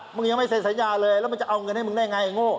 มึงยังไม่เซ็นสัญญาเลยแล้วมันจะเอาเงินให้มึงได้ไงโง่